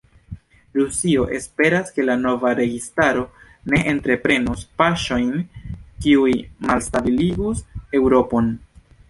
Rusio esperas, ke la nova registaro ne entreprenos paŝojn, kiuj malstabiligus Eŭropon.